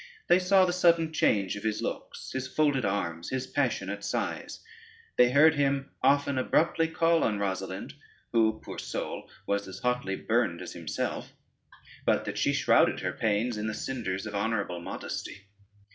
They saw the sudden change of his looks, his folded arms, his passionate sighs: they heard him often abruptly call on Rosalynde, who, poor soul, was as hotly burned as himself, but that she shrouded her pains in the cinders of honorable modesty.